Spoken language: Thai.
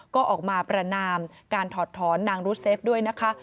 ก็ออกมาประนามการถอดถอนนางรูเซฟด้วยนะคะ